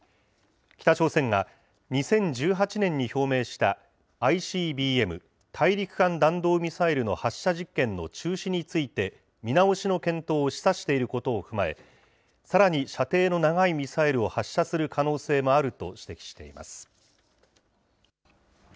北朝鮮が、２０１８年に表明した、ＩＣＢＭ・大陸間弾道ミサイルの発射実験の中止について、見直しの検討を示唆していることを踏まえ、さらに射程の長いミサイルを発射する可能性もあると指摘しています。